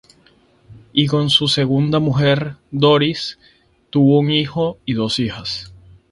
Y con su segunda mujer Doris, tuvo un hijo y dos hijas